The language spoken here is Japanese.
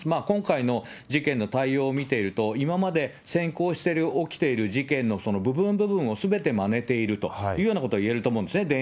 今回の事件の対応を見ていると、今まで先行して起きている事件の部分部分をすべてまねているというようなことが言えると思うんですね。